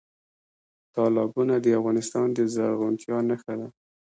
تالابونه د افغانستان د زرغونتیا نښه ده.